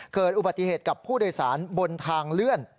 เกิดอุบัติเหตุกับผู้โดยสารบนทางเลื่อน